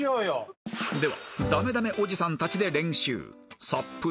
［では駄目駄目おじさんたちで練習］